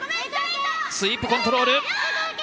スイープコントロール。